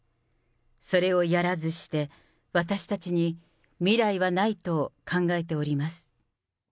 それをやらずして、私たちに未来はないと考えております。